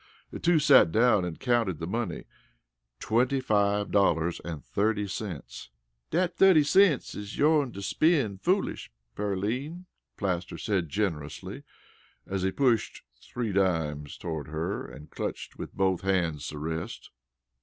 The two sat down and counted the money twenty five dollars and thirty cents! "Dat thuty cents is yourn to spend foolish, Pearline," Plaster said generously as he pushed three dimes toward her and clutched with both hands at the rest.